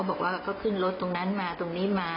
บอกว่าก็ขึ้นรถตรงนั้นมาตรงนี้มา